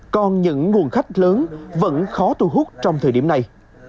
còn những nguồn khách lớn vẫn khó thu hút trong thời điểm này